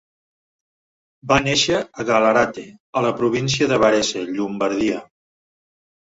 Va néixer a Gallarate, a la província de Varese, Llombardia.